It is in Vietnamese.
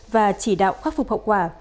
và chỉ đạo khắc phục hậu quả